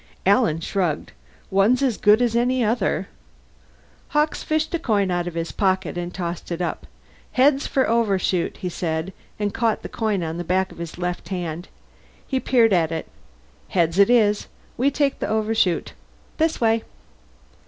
Alan shrugged. "One's as good as any other." Hawkes fished a coin out of his pocket and tossed it up. "Heads for Overshoot," he said, and caught the coin on the back of his left hand. He peered at it. "Heads it is. We take the Overshoot. This way."